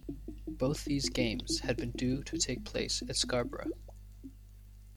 Both these games had been due to take place at Scarborough.